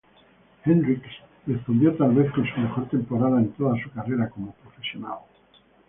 Hendricks respondió tal vez con su mejor temporada en toda su carrera como profesional.